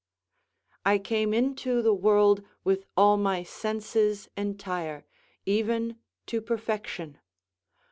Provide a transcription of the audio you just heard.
I came into the world with all my senses entire, even to perfection.